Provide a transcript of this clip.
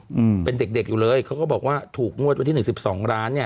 อืมเป็นเด็กอยู่เลยเขาก็บอกว่าถูกงวดวันที่๑๒ล้านเนี่ย